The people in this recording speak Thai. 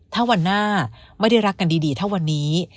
ถ้าวันหน้าไม่ได้รักกันดีเท่าวันนี้